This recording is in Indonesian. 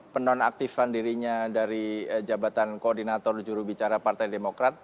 penonaktifan dirinya dari jabatan koordinator jurubicara partai demokrat